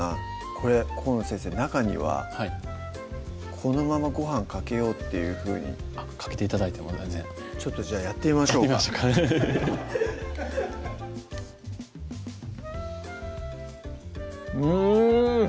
これ河野先生中にはこのままごはんかけようっていうふうにあっかけて頂いても全然ちょっとじゃあやってみましょうかうん！